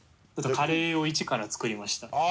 カレーをイチから作りました。